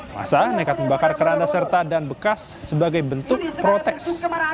masa nekat membakar keranda serta dan bekas sebagai bentuk protes